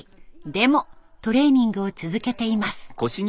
でもトレーニングを続けています。